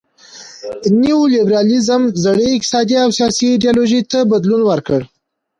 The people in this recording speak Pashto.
نیو لیبرالیزم زړې اقتصادي او سیاسي ایډیالوژۍ ته بدلون ورکړ.